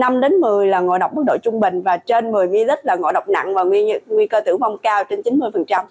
năm một mươi ml là ngộ độc mức độ trung bình và trên một mươi ml là ngộ độc nặng và nguy cơ tử vong cao trên chín mươi